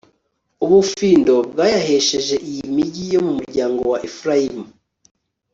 ubufindo bwayahesheje iyi migi yo mu muryango wa efurayimu